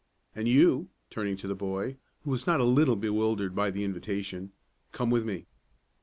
And you," turning to the boy, who was not a little bewildered by the invitation, "come with me."